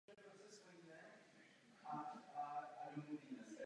V praxi přetrvávají v oblasti mezinárodních adopcí zásadní právní problémy.